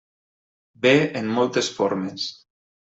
Ve en moltes formes.